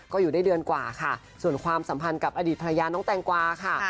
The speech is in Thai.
ก็อยู่ได้เดือนกว่าค่ะส่วนความสัมพันธ์กับอดีตภรรยาน้องแตงกวาค่ะ